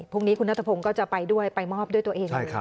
พรุ่งนี้คุณนัทพงศ์ก็จะไปด้วยไปมอบด้วยตัวเอง